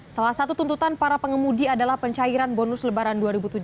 salah satu tuntutan para pengemudi adalah pencairan bonus lebaran dua ribu tujuh belas